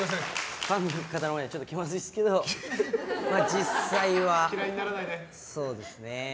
ファンの方の前で気まずいですけど実際は、そうですね。